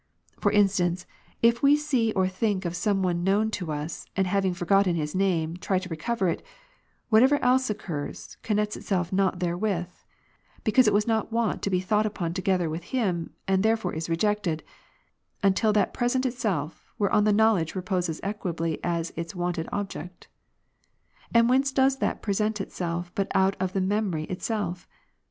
For instance, if we see or think of some one known to us, and having forgotten his name, try to recover it; whatever else occurs, connects itself not therewith ; because it was not wont to be thought upon together with him, and therefore is rejected, until that present itself, whereon the knowledge reposes equably as its wonted object. And whence does that present itself, but out of the memory itself?